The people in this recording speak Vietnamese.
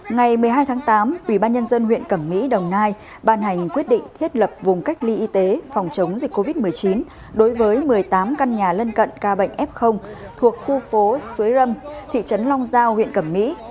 ngày một mươi hai tháng tám ubnd huyện cẩm mỹ đồng nai ban hành quyết định thiết lập vùng cách ly y tế phòng chống dịch covid một mươi chín đối với một mươi tám căn nhà lân cận ca bệnh f thuộc khu phố suối râm thị trấn long giao huyện cẩm mỹ